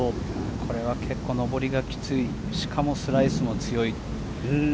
これは結構上りがきついしかもスライスも強い。